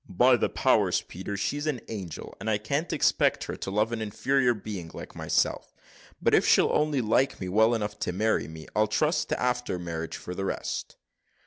"By the powers, Peter, she's an angel, and I can't expect her to love an inferior being like myself; but if she'll only like me well enough to marry me, I'll trust to after marriage for the rest."